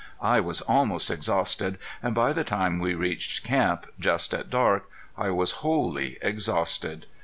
I was almost exhausted, and by the time we reached camp, just at dark, I was wholly exhausted.